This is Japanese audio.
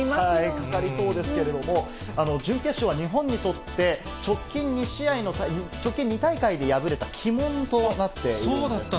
かかりそうですけれども、準決勝は日本にとって、直近２大会で敗れた鬼門となっているんですね。